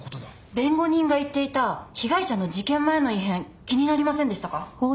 弁護人が言っていた被害者の事件前の異変気になりませんでしたか？